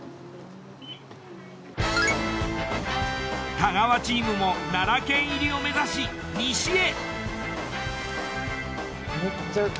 太川チームも奈良県入りを目指し西へ。